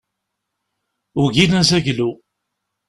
Ugin azaglu.